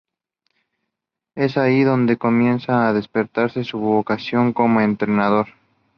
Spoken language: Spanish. Es allí donde comienza a despertarse su vocación como Entrenador.